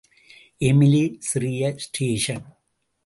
Emily சிறிய station.